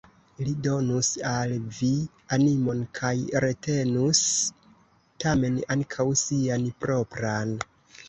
Li donus al vi animon kaj retenus tamen ankaŭ sian propran.